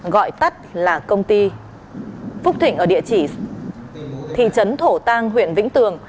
gọi tắt là công ty phúc thịnh ở địa chỉ thị trấn thổ tàng huyện vĩnh tường